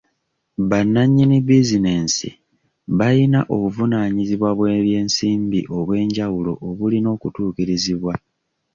Bannannyini bizinesi bayina obuvunaanyizibwa bw'ebyensimbi obw'enjawulo obulina okutuukirizibwa.